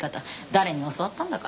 誰に教わったんだか。